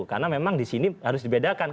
karena memang di sini harus dibedakan